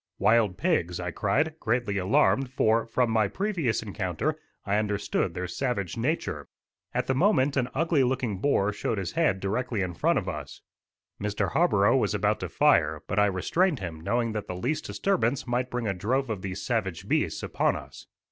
"Wild pigs," I cried, greatly alarmed, for, from my previous encounter, I understood their savage nature. At the moment an ugly looking boar showed his head directly in front of us. Mr. Harborough was about to fire, but I restrained him, knowing that the least disturbance might bring a drove of these savage beasts upon us.